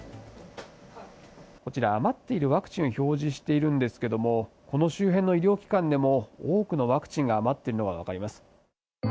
こちら、余っているワクチンを表示しているんですけれども、この周辺の医療機関でも多くのワクチンが余っているのが分かります。